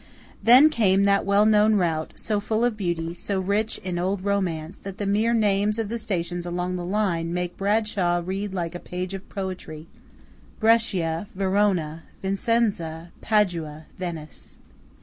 Then came that well known route, so full of beauty, so rich in old romance, that the mere names of the stations along the line make Bradshaw read like a page of poetry–Brescia, Verona, Vicenza, Padua, Venice.